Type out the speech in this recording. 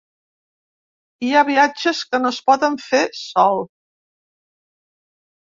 Hi ha viatges que no es poden fer sol.